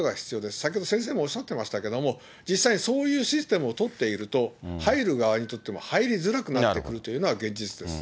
先ほど先生もおっしゃってましたけども、実際にそういうシステムをとっていると、入る側にとっても入りづらくなってくるというのが現実です。